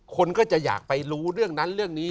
คนก็จะอยากไปรู้เรื่องนั้นเรื่องนี้